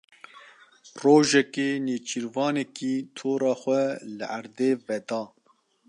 Rojekê nêçîrvanekî tora xwe li erdê veda.